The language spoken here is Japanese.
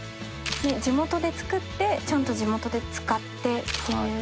地元で作ってちゃんと地元で使って。